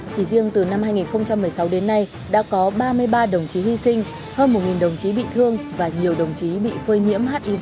chỉ riêng từ năm hai nghìn một mươi sáu đến nay đã có ba mươi ba đồng chí hy sinh hơn một đồng chí bị thương và nhiều đồng chí bị phơi nhiễm hiv